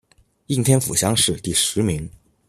应天府乡试第十名。